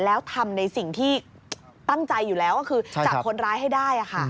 แล้วทำในสิ่งที่ตั้งใจอยู่แล้วก็คือจับคนร้ายให้ได้